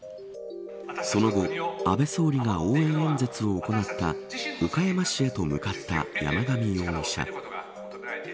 その後、安倍元総理が応援演説を行った岡山市へと向かった山上容疑者。